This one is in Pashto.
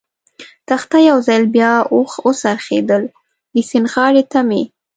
تخته یو ځل بیا و څرخېدل، د سیند غاړې ته مې.